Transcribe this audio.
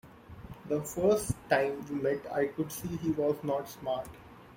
The first time we met I could see he was not smart.